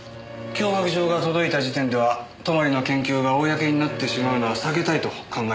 脅迫状が届いた時点では泊の研究が公になってしまうのは避けたいと考えていたんです。